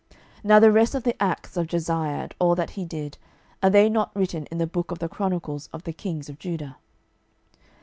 12:023:028 Now the rest of the acts of Josiah, and all that he did, are they not written in the book of the chronicles of the kings of Judah?